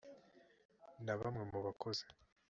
na bamwe mu bakozi